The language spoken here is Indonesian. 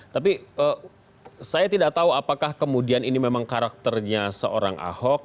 tapi saya tidak tahu apakah kemudian ini memang karakternya seorang ahok